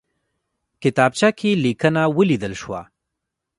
کتابچه کې لیکنه ولیدل شوه.